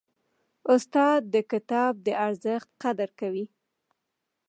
استاد د کتاب د ارزښت قدر کوي.